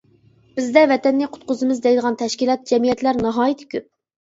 بىزدە ۋەتەننى قۇتقۇزىمىز دەيدىغان تەشكىلات، جەمئىيەتلەر ناھايىتى كۆپ.